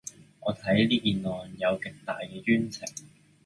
我睇呢件案有極大嘅冤情